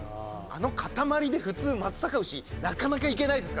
あの塊で普通松阪牛なかなかいけないですからね。